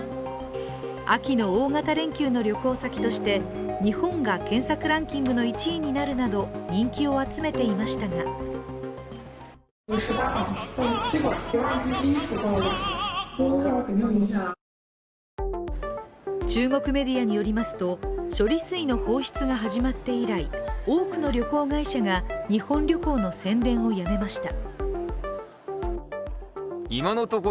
秋の大型連休の旅行先として日本が検索ランキングの１位になるなど人気を集めていましたが中国メディアによりますと処理水の放出が始まって以来、多くの旅行会社が日本旅行の宣伝をやめました。